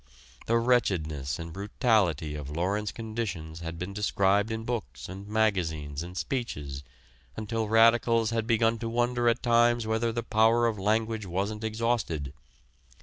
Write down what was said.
The wretchedness and brutality of Lawrence conditions had been described in books and magazines and speeches until radicals had begun to wonder at times whether the power of language wasn't exhausted.